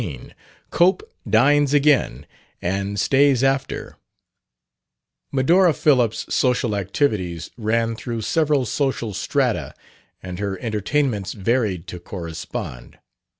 13 COPE DINES AGAIN AND STAYS AFTER Medora Phillips' social activities ran through several social strata and her entertainments varied to correspond.